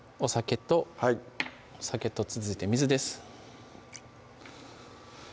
お酒と続いて水です